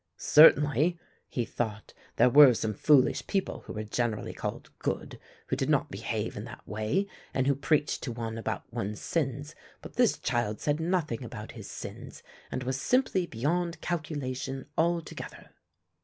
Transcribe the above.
"Certainly," he thought, "there were some foolish people who were generally called good, who did not behave in that way, and who preached to one about one's sins, but this child said nothing about his sins and was simply beyond calculation altogether."